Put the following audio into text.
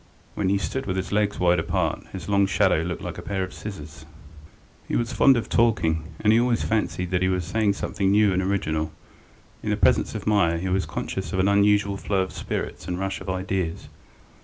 When he stood with his legs wide apart, his long shadow looked like a pair of scissors. He was fond of talking, and he always fancied that he was saying something new and original. In the presence of Meier he was conscious of an unusual flow of spirits and rush of ideas.